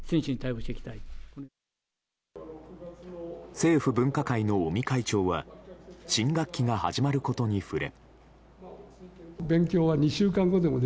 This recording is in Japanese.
政府分科会の尾身会長は新学期が始まることに触れ。